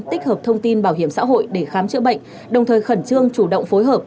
tích hợp thông tin bảo hiểm xã hội để khám chữa bệnh đồng thời khẩn trương chủ động phối hợp